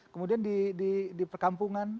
kemudian di perkampungan